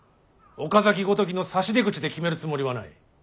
岡崎ごときの差し出口で決めるつもりはない。